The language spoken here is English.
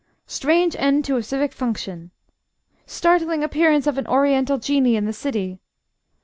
'Strange End to a Civic Function.' 'Startling Appearance of an Oriental Genie in the City.'